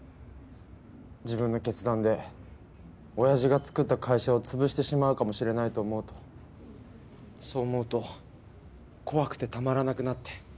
自分の決断でおやじが作った会社を潰してしまうかもしれないと思うとそう思うと怖くてたまらなくなって。